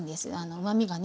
うまみがね